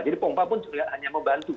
jadi pompa pun juga hanya membantu